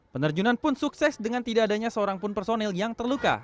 penerjunan pun sukses dengan tidak adanya seorang pun personil yang terluka